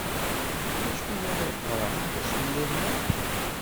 Ulac win ara iqarɛen tasulya-nneɣ.